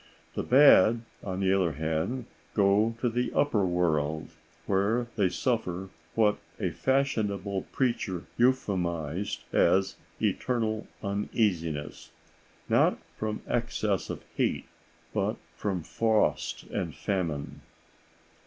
The bad, on the other hand, go to the upper world, where they suffer what a fashionable preacher euphemized as "eternal uneasiness," not from excess of heat but from frost and famine.